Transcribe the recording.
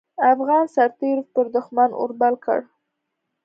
افغان سررتېرو پر دوښمن اور بل کړ.